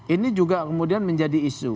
ini juga kemudian menjadi isu